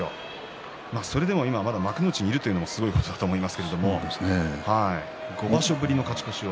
それでもまだ幕内にいるというのもすごいことですけれども５場所ぶりの勝ち越しを。